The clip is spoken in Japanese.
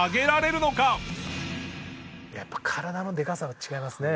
やっぱ体のでかさが違いますね。